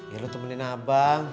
ya lo temenin abang